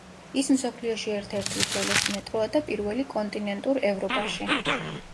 ის მსოფლიოში ერთ-ერთი უძველესი მეტროა და პირველი კონტინენტურ ევროპაში.